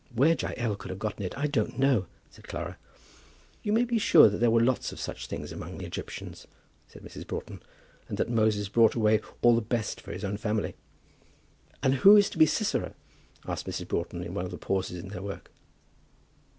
"Where Jael could have gotten it I don't know," said Clara. "You may be sure that there were lots of such things among the Egyptians," said Mrs. Broughton, "and that Moses brought away all the best for his own family." "And who is to be Sisera?" asked Mrs. Broughton in one of the pauses in their work.